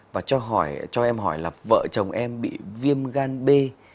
và cho em hỏi là vợ chồng em bị viêm gan b